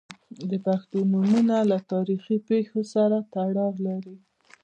• د پښتو نومونه له تاریخي پیښو سره تړاو لري.